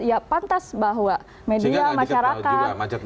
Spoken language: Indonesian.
ya pantas bahwa media masyarakat